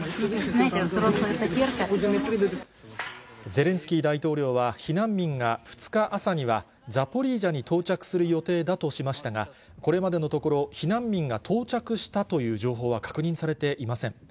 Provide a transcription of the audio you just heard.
ゼレンスキー大統領は、避難民が２日朝にはザポリージャに到着する予定だとしましたが、これまでのところ、避難民が到着したという情報は確認されていません。